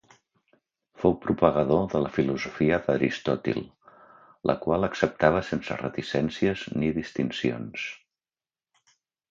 Fou propagador de la filosofia d'Aristòtil, la qual acceptava sense reticències ni distincions.